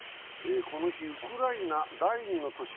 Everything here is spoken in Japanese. この日、ウクライナ第２の都市